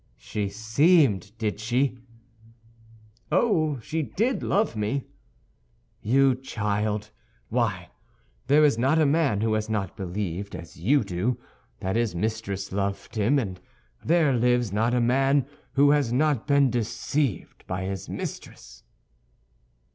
"She seemed, did she?" "Oh, she did love me!" "You child, why, there is not a man who has not believed, as you do, that his mistress loved him, and there lives not a man who has not been deceived by his mistress."